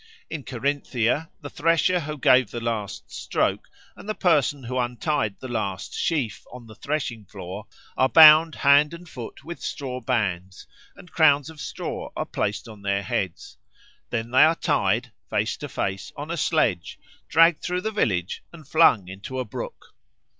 In Carinthia, the thresher who gave the last stroke, and the person who untied the last sheaf on the threshing floor, are bound hand and foot with straw bands, and crowns of straw are placed on their heads. Then they are tied, face to face, on a sledge, dragged through the village, and flung into a brook.